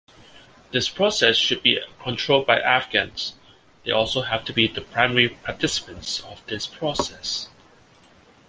This process should be controlled by Afghans, they also have to be the primary participants of this process.